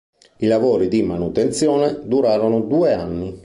I lavori di manutenzione durarono due anni.